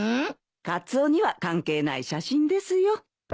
カツオには関係ない写真ですよ。